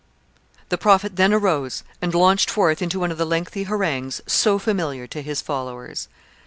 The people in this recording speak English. The Prophet then arose and launched forth into one of the lengthy harangues so familiar to his followers.